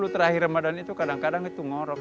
sepuluh terakhir ramadan itu kadang kadang itu ngorok